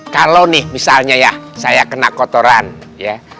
kalau nih misalnya ya saya kena kotoran ya